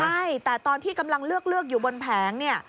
ใช่แต่ตอนที่กำลังเลือกอยู่บนแผงเนี่ย